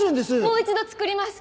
もう一度作ります！